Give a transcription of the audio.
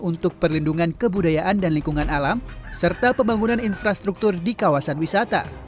untuk perlindungan kebudayaan dan lingkungan alam serta pembangunan infrastruktur di kawasan wisata